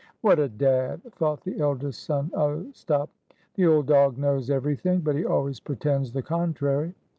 "What a dad!" thought the eldest son Ostap. "The old dog knows everything, but he always pretends the contrary."